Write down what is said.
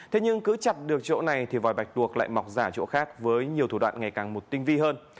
thế nhưng cứ chặt được chỗ này thì vòi bạch tuộc lại mọc giả chỗ khác với nhiều thủ đoạn ngày càng một tinh vi hơn